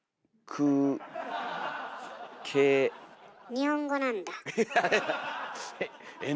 日本語なんだ。